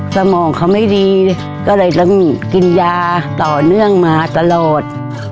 สมองเขาไม่ดีก็เลยต้องกินยาต่อเนื่องมาตลอด